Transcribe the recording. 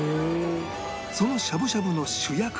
そのしゃぶしゃぶの主役が